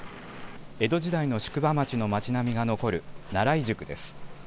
江戸時代の宿場町の町並みが残る奈良井宿です。